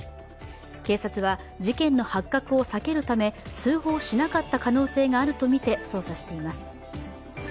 警察は事件の発覚を避けるため通報しなかった可能性があるとみて捜査しています。